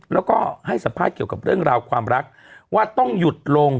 แล้วก็ให้สัมภาษณ์เกี่ยวกับเรื่องราวความรักว่าต้องหยุดลง